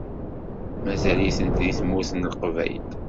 Mazal-itent deg Tmurt n Leqbayel.